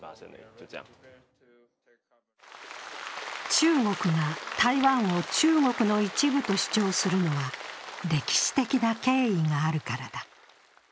中国が台湾を中国の一部と主張するのは、歴史的な経緯があるからだ。